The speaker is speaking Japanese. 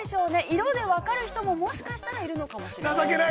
色で分かる人も、もしかしたらいるのかもしれない。